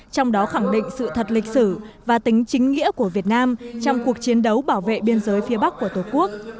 trong đó khẳng định sự thật lịch sử và tính chính nghĩa của việt nam trong cuộc chiến đấu bảo vệ biên giới phía bắc của tổ quốc